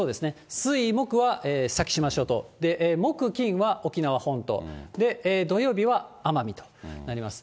水、木は先島諸島、木、金は沖縄本島、土曜日は奄美となります。